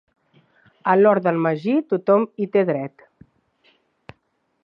A l'hort d'en Magí tothom hi té dret.